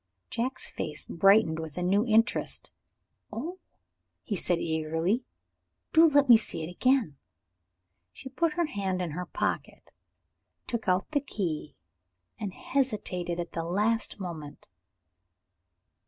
Jack's face brightened with a new interest. "Oh," he said eagerly, "do let me see it again!" She put her hand in her pocket, took out the key, and hesitated at the last moment.